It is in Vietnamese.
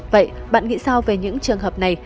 vậy bạn nghĩ sao về những trường hợp này